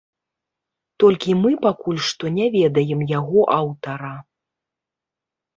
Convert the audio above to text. Толькі мы пакуль што не ведаем яго аўтара.